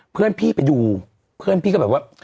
เพื่อนพี่ไปดูเพื่อนพี่ก็แบบว่า